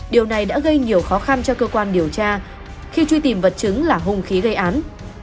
điều này đã gây nhiều khó khăn cho cơ quan điều tra khi truy tìm vật chứng là hung khí gây án